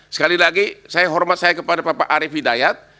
sekali lagi saya hormat saya kepada bapak arief hidayat